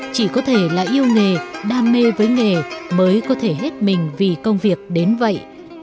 chỉ có thể là yêu nghề đam mê với nghề mới có thể hết mình vì công việc đến vậy